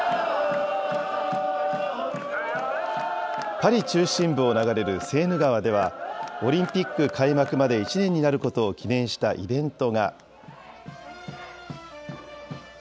パリ中心部を流れるセーヌ川では、オリンピック開幕まで１年になることを記念したイベントが。